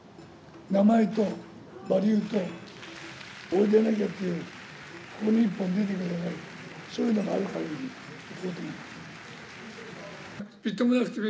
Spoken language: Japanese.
名前とバリューと、俺でなきゃっていう、ここに一本出てください、そういうのがあるかぎり、行こうと思って。